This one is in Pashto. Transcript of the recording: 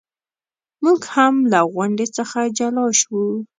موږ هم له غونډې څخه جلا شو.